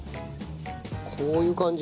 こういう感じ？